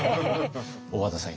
小和田さん